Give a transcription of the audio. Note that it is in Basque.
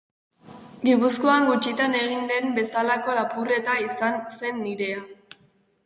Gipuzkoan gutxitan egin den bezalako lapurreta izan zen nirea.